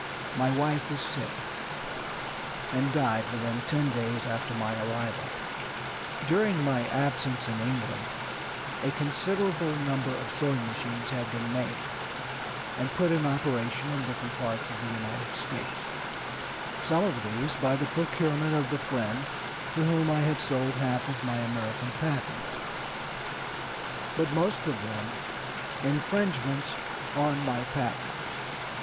My wife was sick, and died within ten days after my arrival. During my absence in England a considerable number of sewing machines had been made, and put in operation in different parts of the United States; some of these by the procurement of the friend to whom I had sold half of my American patent but most of them infringements on my patent."